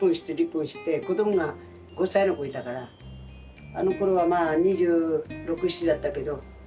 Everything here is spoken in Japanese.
子どもが５歳の子いたからあのころはまあ２６２７だったけど。